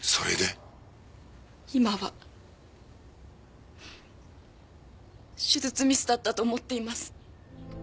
今は手術ミスだったと思っています。